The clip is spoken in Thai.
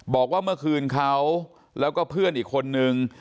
บอกว่าเมื่อคืนเขาแล้วก็เพื่อนอีกคนนึง